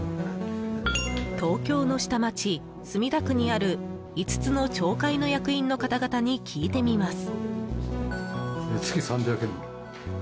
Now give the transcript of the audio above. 東京の下町、墨田区にある５つの町会の役員の方々に聞いてみます。